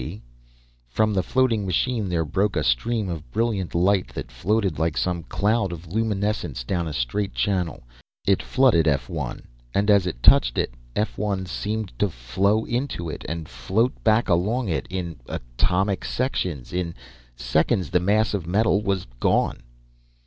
See." From the floating machine there broke a stream of brilliant light that floated like some cloud of luminescence down a straight channel. It flooded F 1, and as it touched it, F 1 seemed to flow into it, and float back along it, in atomic sections. In seconds the mass of metal was gone.